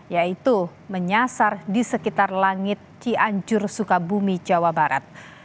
yaitu menyasar di sekitar langit cianjur sukabumi jawa barat